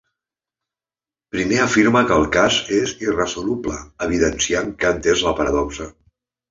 Primer afirma que el cas és irresoluble, evidenciant que ha entès la paradoxa.